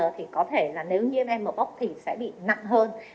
thì có thể là nếu nhiễm m a p o s thì sẽ bị nặng hơn